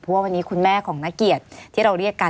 เพราะว่าวันนี้คุณแม่ของนักเกียรติที่เราเรียกกัน